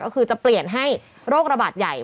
ก็คือจะเปลี่ยนให้โรคระบาดใหญ่